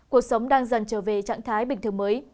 cuộc sống đang dần trở về trạng thái bình thường mới